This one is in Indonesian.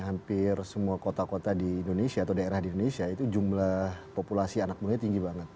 hampir semua kota kota di indonesia atau daerah di indonesia itu jumlah populasi anak muda tinggi banget